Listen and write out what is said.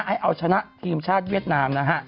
ให้เอาชนะทีมชาติเวียดนามนะฮะ